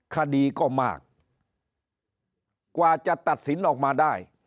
คดีก็มากกว่าจะตัดสินออกมาได้